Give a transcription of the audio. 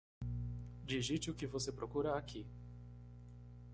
Digite o que você procura aqui.